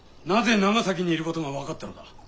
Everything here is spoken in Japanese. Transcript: なぜ長崎にいることが分かったのだ。